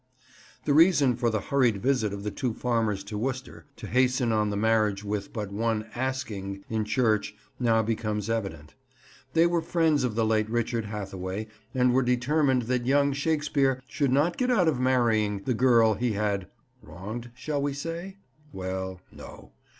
The reason for the hurried visit of the two farmers to Worcester, to hasten on the marriage with but one "asking" in church now becomes evident. They were friends of the late Richard Hathaway, and were determined that young Shakespeare should not get out of marrying the girl he had—wronged, shall we say? Well, no.